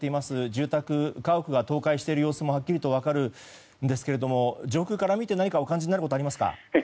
住宅、家屋が倒壊している様子がはっきり分かるんですけど上空から見て何かお感じになることありますか。